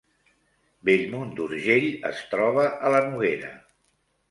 Bellmunt d’Urgell es troba a la Noguera